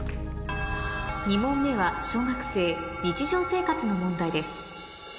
２問目は小学生日常生活の問題です